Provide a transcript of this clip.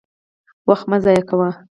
وخت مه ضایع کوئ